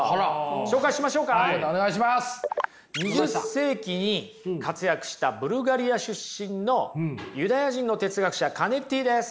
２０世紀に活躍したブルガリア出身のユダヤ人の哲学者カネッティです！